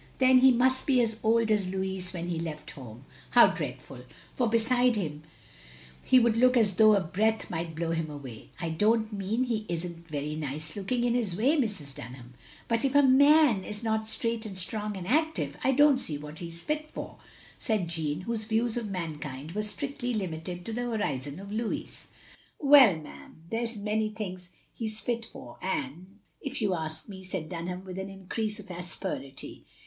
Then he must be as old as Louis when he left home! How dreadful! for beside him he would look as though a breath might blow him away. I don't mean he is n't very nice looking in his way, Mrs. Dunham, but if a man is not straight and strong and active, I don't see what he 's fit for, " said Jeanne, whose views of mankind were strictly limited to the horizon of Louis. "Well, 'm— there 's many things he 's fit for, if you ask me," said Dunham, with an increase of asperity.